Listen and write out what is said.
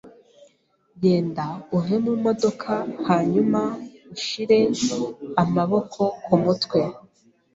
Genda uve mumodoka hanyuma ushire amaboko kumutwe.